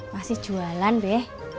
masih jualan be